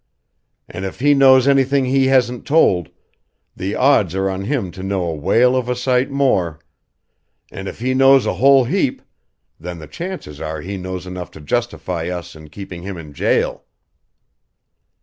"And if he knows anything he hasn't told, the odds are on him to know a whale of a sight more. And if he knows a whole heap then the chances are he knows enough to justify us in keeping him in jail."